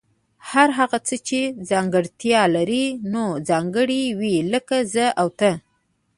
هر هغه څه چي ځانګړتیا لري نو ځانګړي وي لکه زه او ته